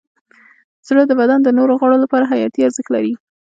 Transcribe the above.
زړه د بدن د نورو غړو لپاره حیاتي ارزښت لري.